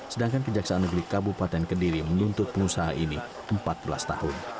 sedangkan kejaksaan negeri kabupaten kediri menuntut pengusaha ini empat belas tahun